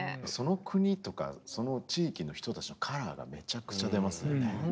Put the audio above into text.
その国とかその地域の人たちのカラーがめちゃくちゃ出ますよね。